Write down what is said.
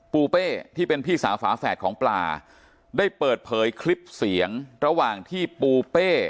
ปูเป้ที่เป็นพี่สาวฝาแฝดของปลาได้เปิดเผยคลิปเสียงระหว่างที่ปูเป้